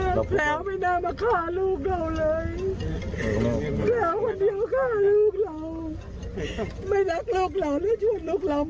ห์เรามีลูกคนเดียวเพราะมีลูกคนเดียว